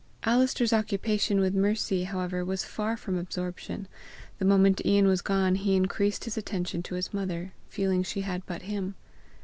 Alister's occupation with Mercy, however, was far from absorption; the moment Ian was gone, he increased his attention to his mother, feeling she had but him.